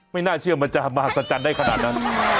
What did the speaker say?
ไม่น่าเชื่อมันจะมหัศจรรย์ได้ขนาดนั้น